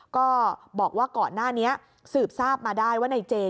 ก็บอกว่าก่อนหน้านี้สืบทราบมาได้ว่าในเจ